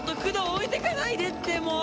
置いてかないでってもう！